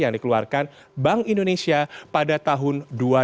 yang dikenal sebagai kode yang terkumpul oleh bank indonesia pada tahun dua ribu sembilan belas